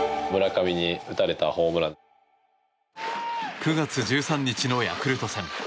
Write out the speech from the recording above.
９月１３日のヤクルト戦。